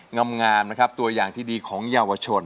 งามนะครับตัวอย่างที่ดีของเยาวชน